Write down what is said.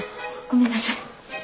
ごめんなさい。